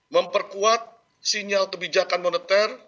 memperkuat sinyal kebijakan moneter